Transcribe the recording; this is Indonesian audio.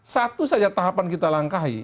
satu saja tahapan kita langkahi